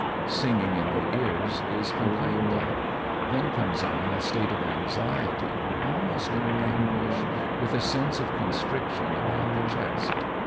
Singing in the ears is complained of; then comes on a state of anxiety, almost of anguish, with a sense of constriction about the chest.